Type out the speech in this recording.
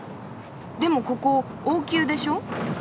でもここ王宮でしょ？